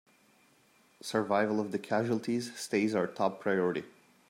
Survival of the casualties stays our top priority!